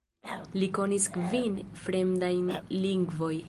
Li konis kvin fremdajn lingvojn.